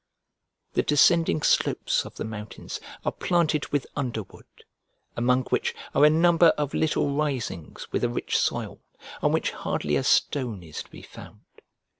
The descending slopes of the mountains are planted with underwood, among which are a number of little risings with a rich soil, on which hardly a stone is to be found.